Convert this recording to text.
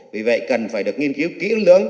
vì vậy cần phải được nghiên cứu kỹ lưỡng